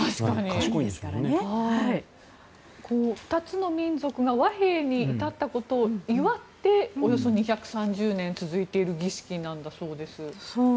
２つの民族が和平に至ったことを祝っておよそ２３０年続いている儀式なんだそうです。